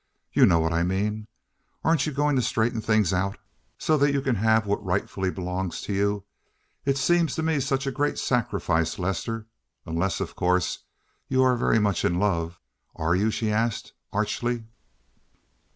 You know what I mean. Aren't you going to straighten things out, so that you can have what rightfully belongs to you? It seems to me such a great sacrifice, Lester, unless, of course, you are very much in love. Are you?" she asked archly.